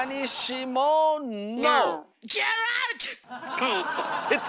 「帰れ」って。